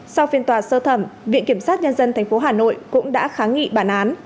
sau phiên tòa sơ thẩm viện kiểm sát nhân dân tp hà nội cũng đã kháng nghị bản án